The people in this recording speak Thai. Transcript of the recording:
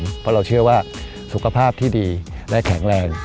เพราะเราเชื่อว่าสุขภาพที่ดีและแข็งแรง